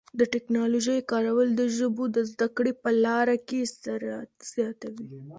د ټکنالوژۍ کارول د ژبو د زده کړې په لاره کي سرعت زیاتوي.